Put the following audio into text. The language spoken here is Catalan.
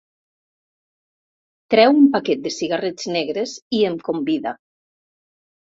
Treu un paquet de cigarrets negres i em convida.